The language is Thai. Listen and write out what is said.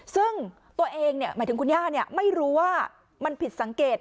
ซึ่งตัวเองหมายถึงคุณย่าไม่รู้ว่ามันผิดสังเกต